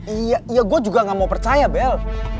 iya gue juga gak mau percaya bel